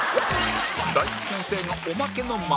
大吉先生がおまけの○